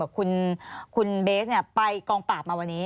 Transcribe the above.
และคุณเบสเนี่ยไปกองปากมาวันนี้